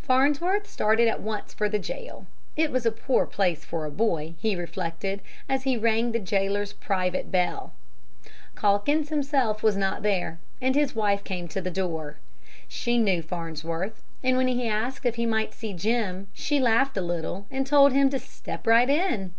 Farnsworth started at once for the jail. It was a poor place for a boy, he reflected, as he rang the jailer's private bell. Calkins himself was not there, and his wife came to the door. She knew Farnsworth; and when he asked if he might see Jim she laughed a little, and told him to "step right in."